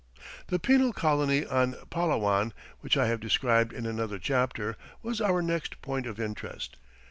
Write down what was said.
The Penal Colony on Palawan, which I have described in another chapter, was our next point of interest.